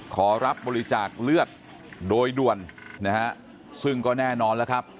ขอรับบริจาคเลือดโดยด่วนนะฮะซึ่งก็แน่นอนแล้วครับ